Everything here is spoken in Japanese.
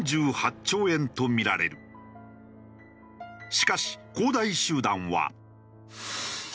しかし恒大集団は。